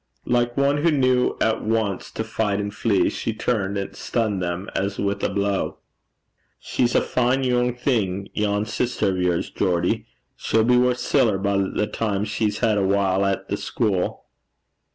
Like one who knew at once to fight and flee, she turned and stunned them as with a blow. 'She's a fine yoong thing, yon sister o' yours, Geordie. She'll be worth siller by the time she's had a while at the schuil.'